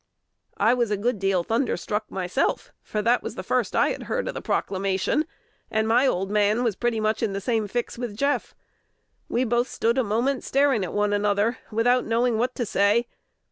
I was a good deal thunderstruck myself; for that was the first I had heard of the proclamation, and my old man was pretty much in the same fix with Jeff. We both stood a moment staring at one another, without knowing what to say.